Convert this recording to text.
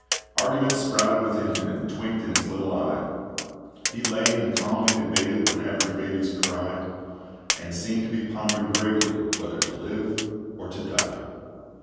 Arguments sprouted within him, And twinked in his little eye; He lay and calmly debated When average babies cry, And seemed to be pondering gravely whether to live or to die.